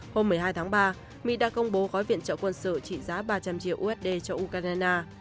hôm một mươi hai tháng ba mỹ đã công bố gói viện trợ quân sự trị giá ba trăm linh triệu usd cho ukraine